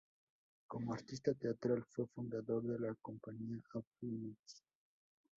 Como artista teatral, fue fundador de la compañía Off Limits.